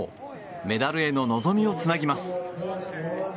メダルへの望みをつなぎます。